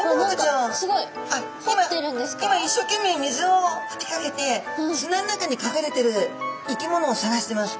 今一生懸命水をふきかけて砂の中にかくれてる生き物を探してます。